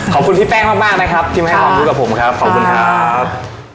ขอบคุณพี่แป้งมากนะครับที่มาให้ความรู้กับผมครับขอบคุณครับ